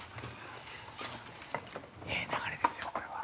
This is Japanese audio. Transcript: ええ流れですよこれは。